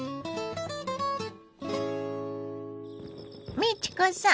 美智子さん